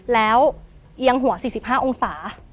แล้วเอียงหัว๔๕องศา